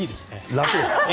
楽です。